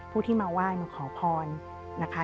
ผู้ที่มาไหว้มาขอพรนะคะ